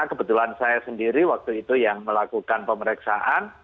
kebetulan saya sendiri waktu itu yang melakukan pemeriksaan